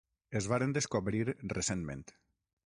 Es varen descobrir recentment.